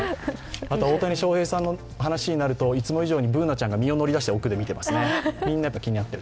大谷翔平さんの話になるといつも以上にＢｏｏｎａちゃんが身を乗り出して、奥で見ていますね